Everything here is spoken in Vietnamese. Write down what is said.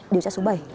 điều tra số bảy